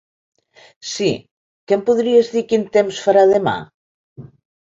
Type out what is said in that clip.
Si, que em podries dir quin temps farà demà?